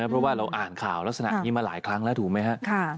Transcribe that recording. เพราะว่าเราอ่านข่าวลักษณะนี้มาหลายครั้งแล้วถูกไหมครับ